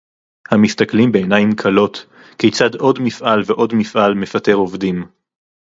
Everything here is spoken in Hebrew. המסתכלים בעיניים כלות כיצד עוד מפעל ועוד מפעל מפטר עובדים